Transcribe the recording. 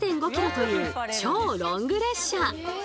という超ロング列車。